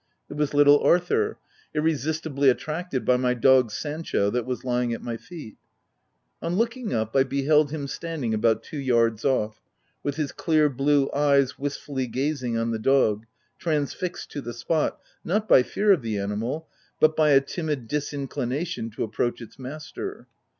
It was little Arthur, irresistibly attracted by my dog Sancho, that was lying at my feet. On looking up, 1 beheld him standing about two yards off, with 46 THE TENANT his clear blue eyes wistfully gazing on the dog, transfixed to the spot, not by fear of the animal, but by a timid disinclination to approach its master.